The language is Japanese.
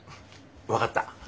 分かった。